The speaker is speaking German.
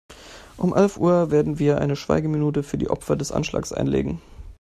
Um elf Uhr werden wir eine Schweigeminute für die Opfer des Anschlags einlegen.